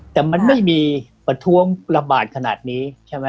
แต่มันไม่มีประท้วงระบาดขนาดนี้ใช่ไหม